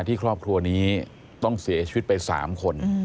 ครอบครัวนี้ต้องเสียชีวิตไป๓คน